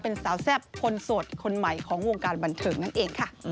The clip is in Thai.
เป็นสาวแซ่บคนโสดคนใหม่ของวงการบันเทิงนั่นเองค่ะ